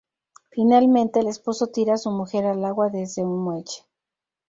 Finalmente, el esposo tira a su mujer al agua desde un muelle.